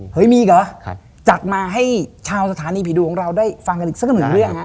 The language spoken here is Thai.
เฮ้ยมีอีกเหรอจัดมาให้ชาวสถานีผีดุของเราได้ฟังกันอีกสักหนึ่งเรื่องฮะ